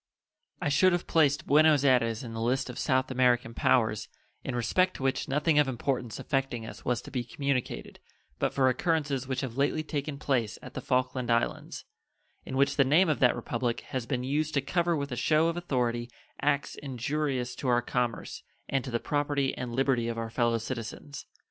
I should have placed Buenos Ayres in the list of South American powers in respect to which nothing of importance affecting us was to be communicated but for occurrences which have lately taken place at the Falkland Islands, in which the name of that Republic has been used to cover with a show of authority acts injurious to our commerce and to the property and liberty of our fellow citizens.